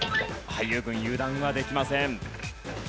俳優軍油断はできません。